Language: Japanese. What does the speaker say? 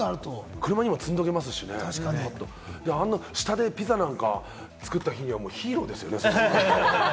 車にも積んでおけるし、下でピザなんか作った日には、ヒーローですよね。